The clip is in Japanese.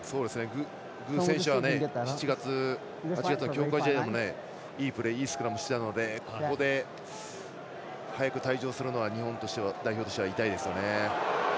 具選手は８月は強化試合でいいプレーいいスクラムしてたのでここで早く退場するのは日本代表としては痛いですよね。